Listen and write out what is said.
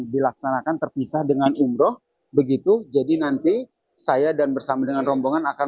dilaksanakan terpisah dengan umroh begitu jadi nanti saya dan bersama dengan rombongan akan